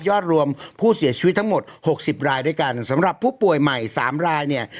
รวมผู้เสียชีวิตทั้งหมดหกสิบรายด้วยกันสำหรับผู้ป่วยใหม่สามรายเนี่ย